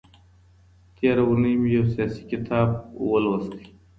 تېره اونۍ مي يو سياسي کتاب ولوست.